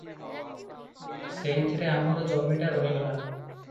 ସେଇଥିରେ ଆମର ଜମିଟା ରହିଗଲା ।